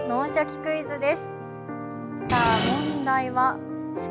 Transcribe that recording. クイズ」です。